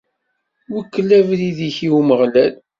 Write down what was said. Wekkel abrid-ik i Umeɣlal.